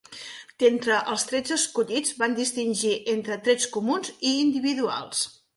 D'entre els trets escollits, van distingir entre trets comuns i individuals.